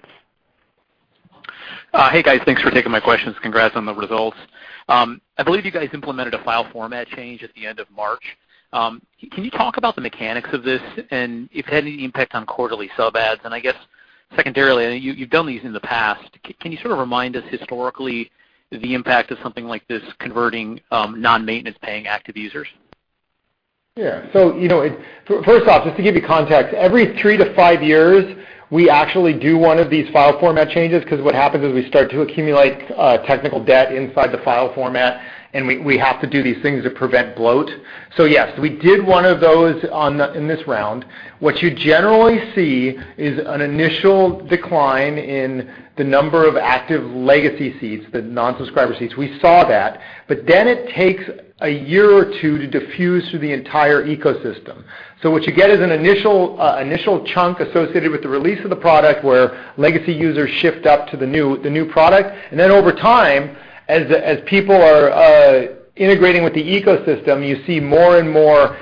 Hey, guys. Thanks for taking my questions. Congrats on the results. I believe you guys implemented a file format change at the end of March. Can you talk about the mechanics of this, and if it had any impact on quarterly sub adds? I guess secondarily, you've done these in the past, can you sort of remind us historically the impact of something like this converting non-maintenance paying active users? Yeah. First off, just to give you context, every three to five years, we actually do one of these file format changes because what happens is we start to accumulate technical debt inside the file format, and we have to do these things to prevent bloat. Yes, we did one of those in this round. What you generally see is an initial decline in the number of active legacy seats, the non-subscriber seats. We saw that, it takes a year or two to diffuse through the entire ecosystem. What you get is an initial chunk associated with the release of the product where legacy users shift up to the new product, and then over time, as people are integrating with the ecosystem, you see more and more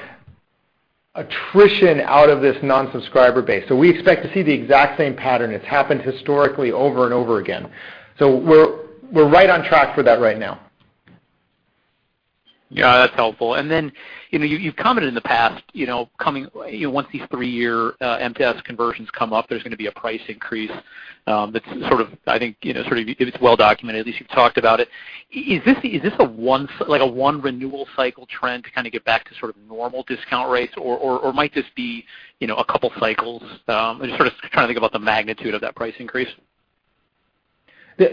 attrition out of this non-subscriber base. We expect to see the exact same pattern. It's happened historically over and over again. We're right on track for that right now. Yeah, that's helpful. Then, you've commented in the past, once these three-year M2S conversions come up, there's going to be a price increase. It's well-documented. At least you've talked about it. Is this like a one renewal cycle trend to kind of get back to sort of normal discount rates, or might this be a couple of cycles? I'm just sort of trying to think about the magnitude of that price increase. Do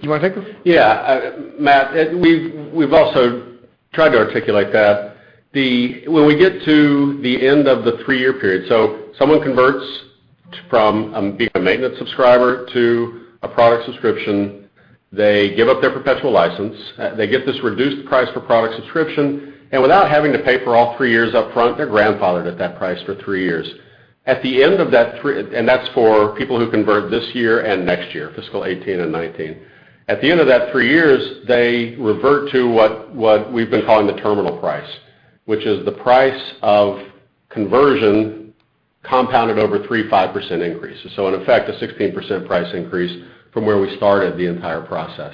you want to take this? Matt, we've also tried to articulate that. When we get to the end of the three-year period, someone converts from being a maintenance subscriber to a product subscription, they give up their perpetual license. They get this reduced price for product subscription, and without having to pay for all three years up front, they're grandfathered at that price for three years. That's for people who convert this year and next year, FY 2018 and FY 2019. At the end of that three years, they revert to what we've been calling the terminal price, which is the price of conversion compounded over three 5% increases. In effect, a 16% price increase from where we started the entire process.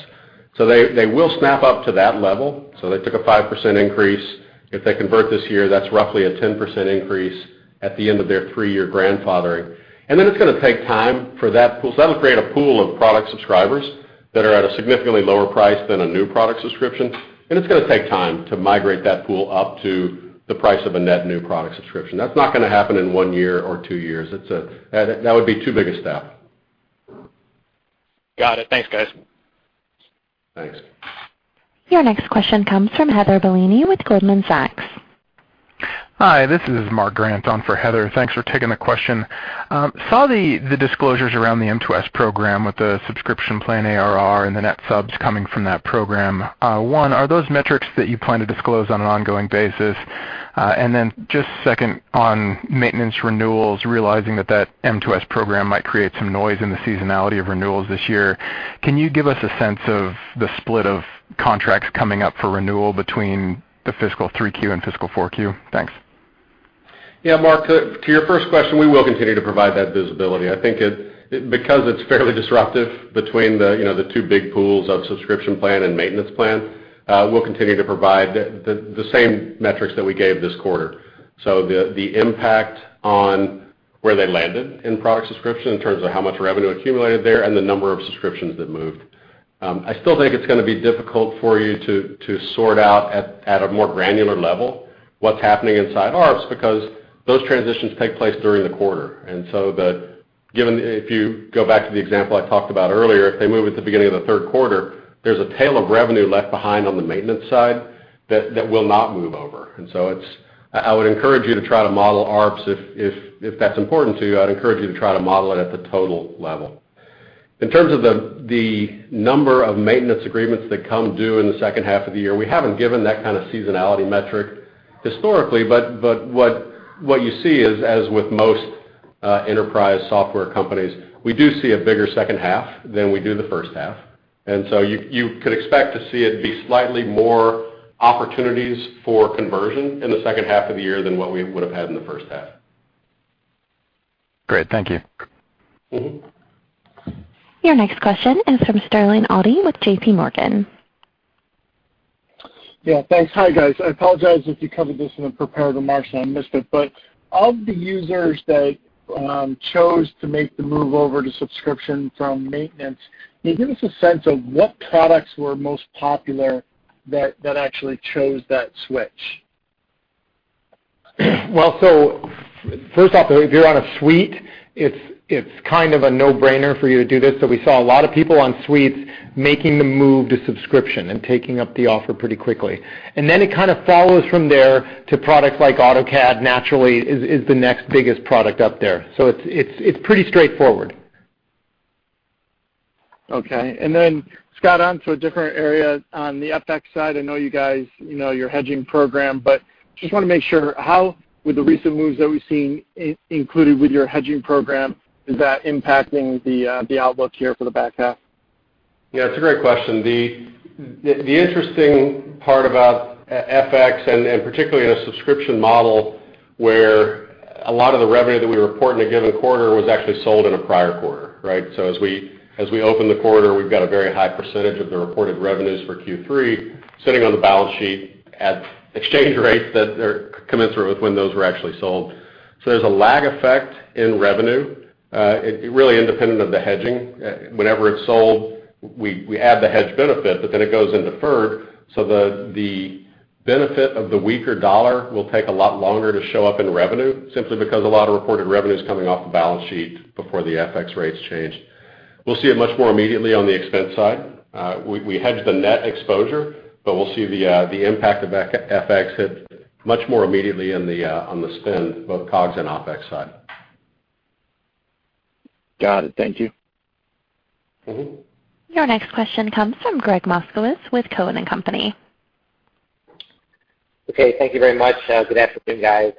They will snap up to that level. They took a 5% increase. If they convert this year, that's roughly a 10% increase at the end of their three-year grandfathering. It's going to take time for that, because that'll create a pool of product subscribers that are at a significantly lower price than a new product subscription. It's going to take time to migrate that pool up to the price of a net new product subscription. That's not going to happen in one year or two years. That would be too big a step. Got it. Thanks, guys. Thanks. Your next question comes from Mark Grant with Goldman Sachs. Hi, this is Mark Grant on for Heather. Thanks for taking the question. Saw the disclosures around the M2S program with the subscription plan ARR and the net subs coming from that program. One, are those metrics that you plan to disclose on an ongoing basis? Then just second, on maintenance renewals, realizing that that M2S program might create some noise in the seasonality of renewals this year, can you give us a sense of the split of contracts coming up for renewal between the fiscal 3Q and fiscal 4Q? Thanks. Yeah, Mark, to your first question, we will continue to provide that visibility. I think because it's fairly disruptive between the two big pools of subscription plan and maintenance plan, we'll continue to provide the same metrics that we gave this quarter. The impact on where they landed in product subscription in terms of how much revenue accumulated there and the number of subscriptions that moved. I still think it's going to be difficult for you to sort out at a more granular level what's happening inside ARPS, because those transitions take place during the quarter. If you go back to the example I talked about earlier, if they move at the beginning of the third quarter, there's a tail of revenue left behind on the maintenance side that will not move over. I would encourage you to try to model ARPS, if that's important to you, I'd encourage you to try to model it at the total level. In terms of the number of maintenance agreements that come due in the second half of the year, we haven't given that kind of seasonality metric historically, but what you see is, as with most enterprise software companies, we do see a bigger second half than we do the first half. You could expect to see it be slightly more opportunities for conversion in the second half of the year than what we would have had in the first half. Great. Thank you. Your next question is from Sterling Auty with J.P. Morgan. Yeah, thanks. Hi guys. I apologize if you covered this in the prepared remarks and I missed it. Of the users that chose to make the move over to subscription from maintenance, can you give us a sense of what products were most popular that actually chose that switch? First off, if you're on a Suite, it's kind of a no-brainer for you to do this. We saw a lot of people on Suites making the move to subscription and taking up the offer pretty quickly. It kind of follows from there to products like AutoCAD, naturally, is the next biggest product up there. It's pretty straightforward. Okay. Scott, on to a different area on the FX side. I know you guys, your hedging program. Just want to make sure, how would the recent moves that we've seen included with your hedging program, is that impacting the outlook here for the back half? Yeah, it's a great question. The interesting part about FX, particularly in a subscription model, where a lot of the revenue that we report in a given quarter was actually sold in a prior quarter, right? As we open the quarter, we've got a very high percentage of the reported revenues for Q3 sitting on the balance sheet at exchange rates that are commensurate with when those were actually sold. There's a lag effect in revenue, really independent of the hedging. Whenever it's sold, we add the hedge benefit, then it goes in deferred, the benefit of the weaker dollar will take a lot longer to show up in revenue, simply because a lot of reported revenue is coming off the balance sheet before the FX rates change. We'll see it much more immediately on the expense side. We hedge the net exposure, we'll see the impact of FX hit much more immediately on the spend, both COGS and OPEX side. Got it. Thank you. Your next question comes from Gregg Moskowitz with Cowen and Company. Okay. Thank you very much. Good afternoon, guys.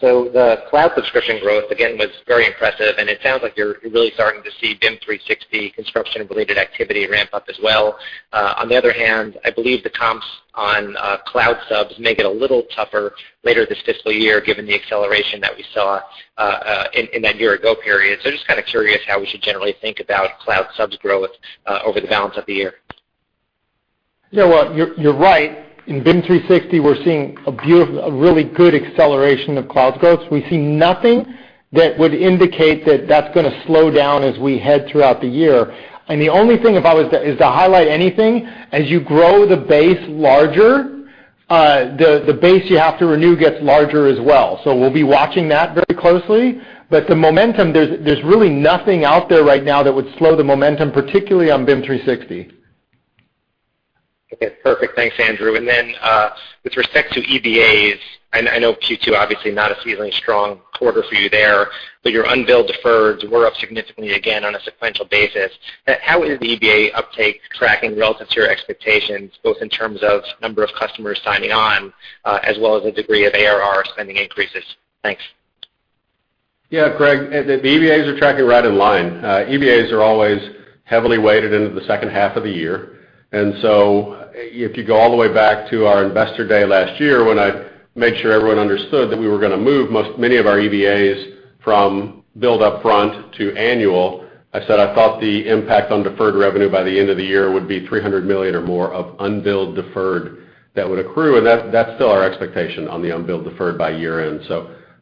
The cloud subscription growth, again, was very impressive, and it sounds like you're really starting to see BIM 360 construction-related activity ramp up as well. On the other hand, I believe the comps on cloud subs make it a little tougher later this fiscal year, given the acceleration that we saw in that year-ago period. Just kind of curious how we should generally think about cloud subs growth over the balance of the year. Yeah, well, you're right. In BIM 360, we're seeing a really good acceleration of cloud growth. We see nothing that would indicate that that's going to slow down as we head throughout the year. The only thing, if I was to highlight anything, as you grow the base larger, the base you have to renew gets larger as well. We'll be watching that very closely. The momentum, there's really nothing out there right now that would slow the momentum, particularly on BIM 360. Okay, perfect. Thanks, Andrew. With respect to EBAs, I know Q2, obviously not a seasonally strong quarter for you there, but your unbilled deferreds were up significantly again on a sequential basis. How is the EBA uptake tracking relative to your expectations, both in terms of number of customers signing on, as well as the degree of ARR spending increases? Thanks. Yeah, Greg, the EBAs are tracking right in line. EBAs are always heavily weighted into the second half of the year. If you go all the way back to our investor day last year when I made sure everyone understood that we were going to move many of our EBAs from bill up front to annual, I said I thought the impact on deferred revenue by the end of the year would be $300 million or more of unbilled deferred that would accrue, and that's still our expectation on the unbilled deferred by year-end.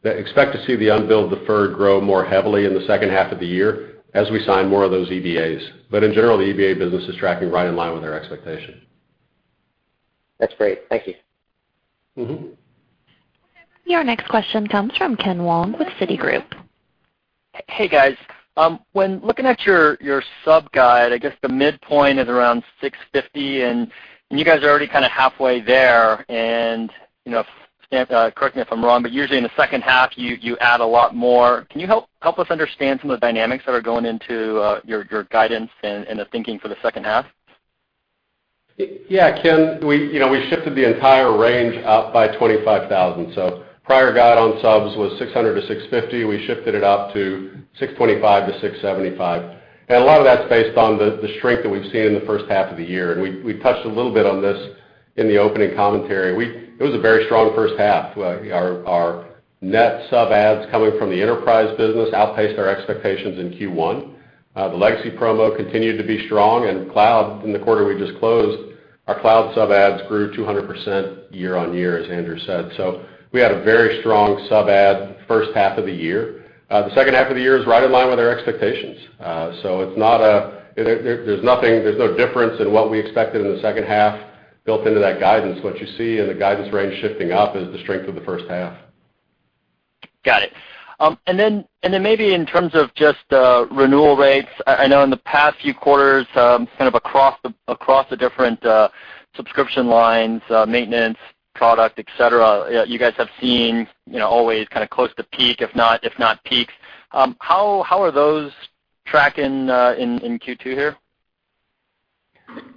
Expect to see the unbilled deferred grow more heavily in the second half of the year as we sign more of those EBAs. In general, the EBA business is tracking right in line with our expectation. That's great. Thank you. Your next question comes from Ken Wong with Citigroup. Hey, guys. When looking at your sub guide, I guess the midpoint is around 650, and you guys are already kind of halfway there. Correct me if I'm wrong, but usually in the second half, you add a lot more. Can you help us understand some of the dynamics that are going into your guidance and the thinking for the second half? Yeah, Ken, we shifted the entire range up by 25,000. Prior guide on subs was 600-650. We shifted it up to 625-675. A lot of that's based on the strength that we've seen in the first half of the year. We touched a little bit on this in the opening commentary. It was a very strong first half. Our net sub adds coming from the enterprise business outpaced our expectations in Q1. The legacy promo continued to be strong, and cloud in the quarter we just closed, our cloud sub adds grew 200% year-on-year, as Andrew said. We had a very strong sub add first half of the year. The second half of the year is right in line with our expectations. There's no difference in what we expected in the second half built into that guidance. What you see in the guidance range shifting up is the strength of the first half. Got it. Then maybe in terms of just renewal rates, I know in the past few quarters, kind of across the different subscription lines, maintenance, product, et cetera, you guys have seen always kind of close to peak, if not peak. How are those tracking in Q2 here?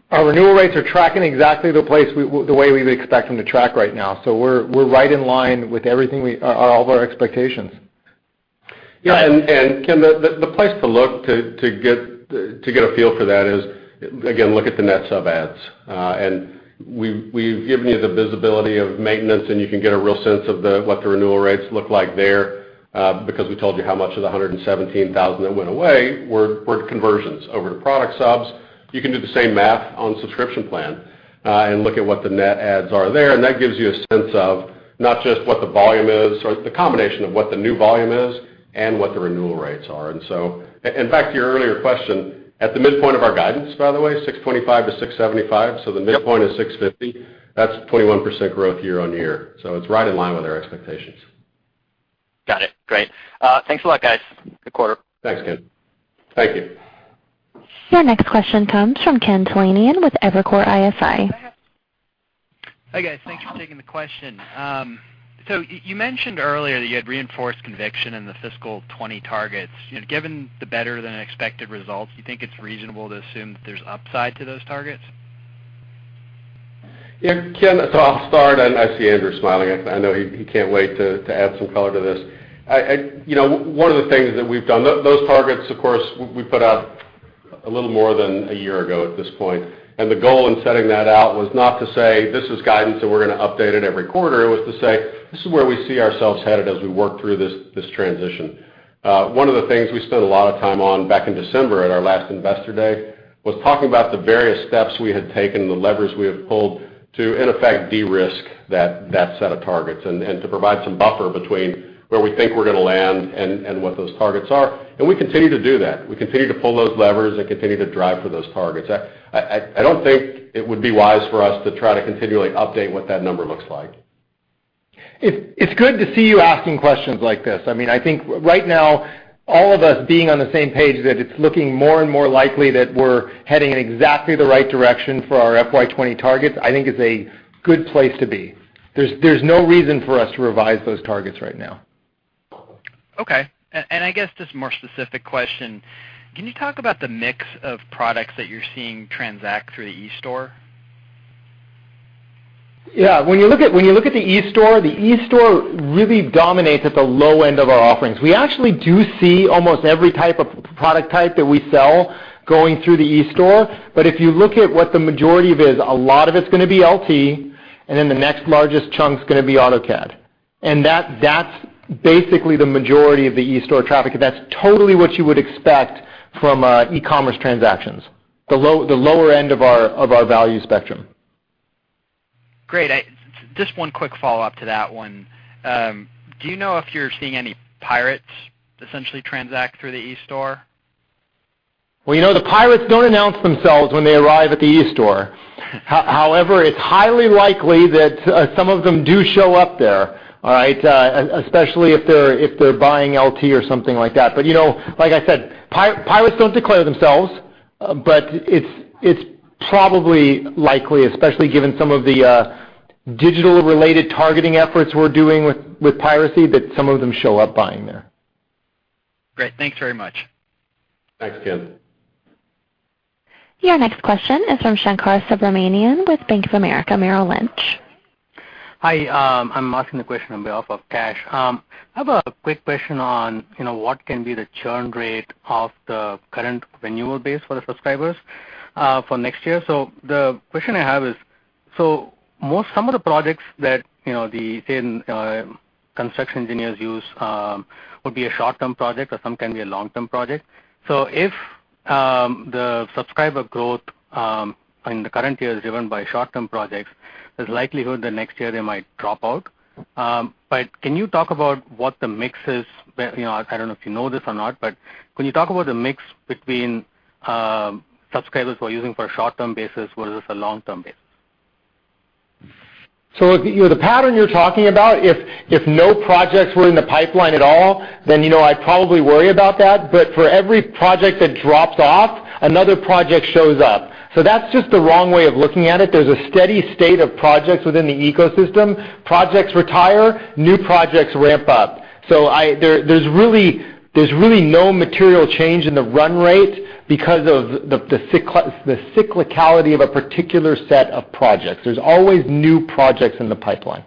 Our renewal rates are tracking exactly the way we expect them to track right now. We're right in line with all of our expectations. Ken, the place to look to get a feel for that is, again, look at the net sub adds. We've given you the visibility of maintenance, and you can get a real sense of what the renewal rates look like there, because we told you how much of the 117,000 that went away were conversions over to product subs. You can do the same math on subscription plan, and look at what the net adds are there, and that gives you a sense of not just what the volume is, or the combination of what the new volume is and what the renewal rates are. Back to your earlier question, at the midpoint of our guidance, by the way, $625-$675, the midpoint is $650. That's 21% growth year-on-year. It's right in line with our expectations. Got it. Great. Thanks a lot, guys. Good quarter. Thanks, Ken. Thank you. Your next question comes from Kenneth Talanian with Evercore ISI. Hi, guys. Thanks for taking the question. You mentioned earlier that you had reinforced conviction in the FY 2020 targets. Given the better-than-expected results, you think it's reasonable to assume that there's upside to those targets? Ken, I'll start, I see Andrew smiling. I know he can't wait to add some color to this. One of the things that we've done, those targets, of course, we put out a little more than a year ago at this point. The goal in setting that out was not to say, "This is guidance, and we're going to update it every quarter." It was to say, "This is where we see ourselves headed as we work through this transition." One of the things we spent a lot of time on back in December at our last investor day was talking about the various steps we had taken and the levers we have pulled to, in effect, de-risk that set of targets and to provide some buffer between where we think we're going to land and what those targets are. We continue to do that. We continue to pull those levers and continue to drive for those targets. I don't think it would be wise for us to try to continually update what that number looks like. It's good to see you asking questions like this. I think right now, all of us being on the same page that it's looking more and more likely that we're heading in exactly the right direction for our FY 2020 targets, I think is a good place to be. There's no reason for us to revise those targets right now. Okay. I guess just a more specific question, can you talk about the mix of products that you're seeing transact through the eStore? Yeah. When you look at the eStore, the eStore really dominates at the low end of our offerings. We actually do see almost every type of product type that we sell going through the eStore. If you look at what the majority of it is, a lot of it's going to be LT, then the next largest chunk's going to be AutoCAD. That's basically the majority of the eStore traffic, and that's totally what you would expect from e-commerce transactions, the lower end of our value spectrum. Great. Just one quick follow-up to that one. Do you know if you're seeing any pirates essentially transact through the eStore? Well, the pirates don't announce themselves when they arrive at the eStore. However, it's highly likely that some of them do show up there. All right? Especially if they're buying LT or something like that. Like I said, pirates don't declare themselves. It's probably likely, especially given some of the Digital-related targeting efforts we're doing with piracy, but some of them show up buying there. Great. Thanks very much. Thanks, Ken. Your next question is from Shankar Subramanian with Bank of America Merrill Lynch. Hi. I'm asking the question on behalf of Kash. The question I have is, some of the projects that the same construction engineers use would be a short-term project, or some can be a long-term project. If the subscriber growth in the current year is driven by short-term projects, there's likelihood that next year they might drop out. Can you talk about what the mix is? I don't know if you know this or not, but can you talk about the mix between subscribers who are using for a short-term basis versus a long-term basis? The pattern you're talking about, if no projects were in the pipeline at all, then I'd probably worry about that. For every project that drops off, another project shows up. That's just the wrong way of looking at it. There's a steady state of projects within the ecosystem. Projects retire, new projects ramp up. There's really no material change in the run rate because of the cyclicality of a particular set of projects. There's always new projects in the pipeline.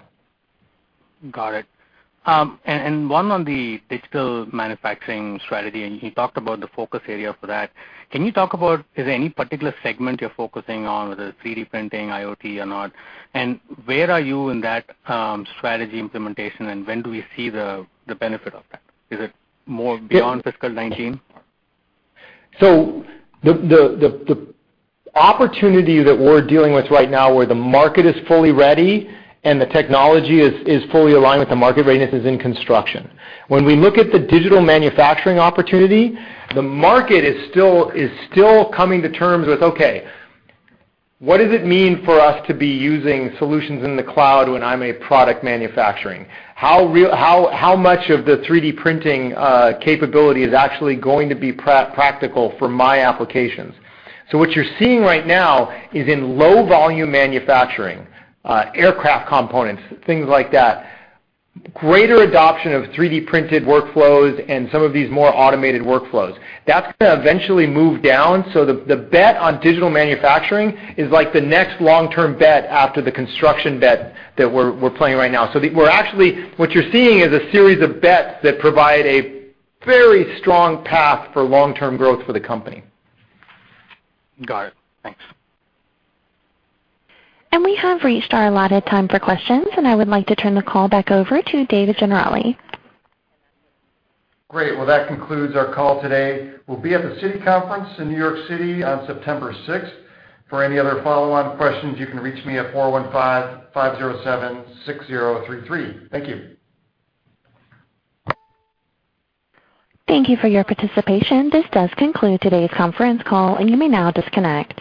Got it. One on the digital manufacturing strategy, and you talked about the focus area for that. Can you talk about, is there any particular segment you're focusing on, whether 3D printing, IoT or not, and where are you in that strategy implementation, and when do we see the benefit of that? Is it more beyond FY 2019? The opportunity that we're dealing with right now where the market is fully ready and the technology is fully aligned with the market readiness is in construction. When we look at the digital manufacturing opportunity, the market is still coming to terms with, okay, what does it mean for us to be using solutions in the cloud when I'm a product manufacturing? How much of the 3D printing capability is actually going to be practical for my applications? What you're seeing right now is in low-volume manufacturing, aircraft components, things like that, greater adoption of 3D-printed workflows and some of these more automated workflows. That's going to eventually move down. The bet on digital manufacturing is like the next long-term bet after the construction bet that we're playing right now. Actually, what you're seeing is a series of bets that provide a very strong path for long-term growth for the company. Got it. Thanks. We have reached our allotted time for questions, and I would like to turn the call back over to David Gennarelli. Great. Well, that concludes our call today. We'll be at the Citi Conference in New York City on September 6th. For any other follow-on questions, you can reach me at four one five five zero seven six zero three three. Thank you. Thank you for your participation. This does conclude today's conference call, and you may now disconnect.